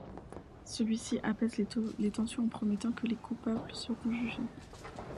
Celui-ci apaise les tensions en promettant que les coupables seront jugés.